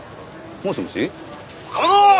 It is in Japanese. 「もしもし。